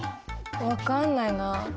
分かんないなあ。